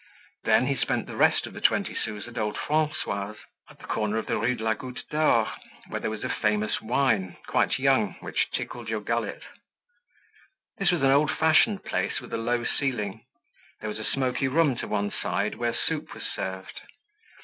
Then, he spent the rest of the twenty sous at old Francois's, at the corner of the Rue de la Goutte d'Or, where there was a famous wine, quite young, which tickled your gullet. This was an old fashioned place with a low ceiling. There was a smoky room to one side where soup was served.